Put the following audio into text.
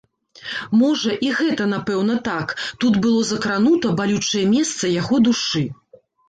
Можа, і гэта напэўна так, тут было закранута балючае месца яго душы.